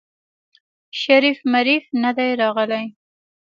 شريف مريف ندی راغلی.